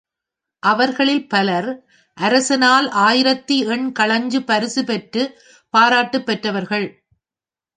அவர்களில் பலர் அரசனால் ஆயிரத்து எண் கழஞ்சு பரிசு பெற்றுப் பாராட்டுப் பெற்றவர்கள்.